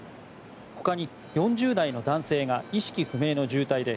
ほかに４０代の男性が意識不明の重体で